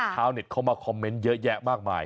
ชาวเน็ตเข้ามาคอมเมนต์เยอะแยะมากมาย